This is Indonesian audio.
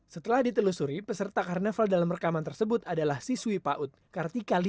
setelah ditelusuri peserta karnaval dalam rekaman tersebut adalah siswi pak ustaz